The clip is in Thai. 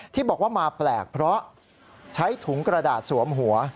ที่บอกว่ามาแปลกเพราะใช้ถุงกระดาษสวมหัว